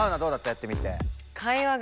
やってみて。